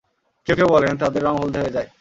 কেউ কেউ বলেন, তাদের রং হলদে হয়ে যায়।